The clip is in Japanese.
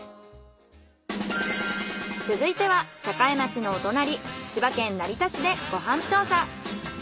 続いては栄町のお隣千葉県成田市でご飯調査。